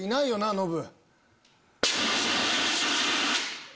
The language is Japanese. ノブ。